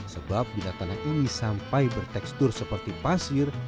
sebab bila tanah ini sampai bertekstur seperti pasir